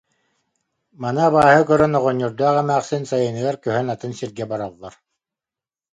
Маны абааһы көрөн, оҕонньордоох эмээхсин сайыныгар көһөн атын сиргэ бараллар